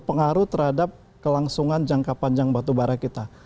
ini berpengaruh terhadap kelangsungan jangka panjang batubara kita